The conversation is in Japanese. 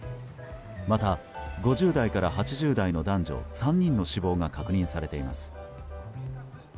また、５０代から８０代の男女３人の死亡が確認されています。